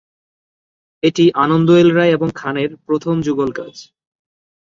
এটি আনন্দ এল রায় এবং খানের প্রথম যুগল কাজ।